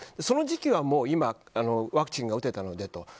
その時期は今ワクチンが打てたのでと。